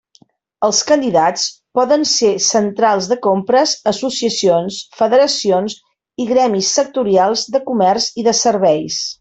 Els candidats poden ser centrals de compres, associacions, federacions i gremis sectorials de comerç i de serveis.